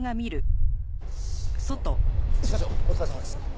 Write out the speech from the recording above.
一課長お疲れさまです。